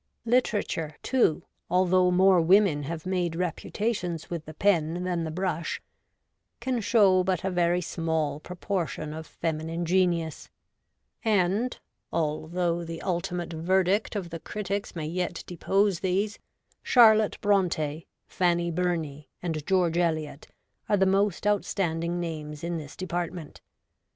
Literature, too — although more women have made reputations with the pen than the brush — can show but a very small proportion of feminine genius ; and (although the ultimate verdict of the critics may yet depose these) Charlotte Bronte, Fanny Burney, and George Eliot are the most outstanding names in this department.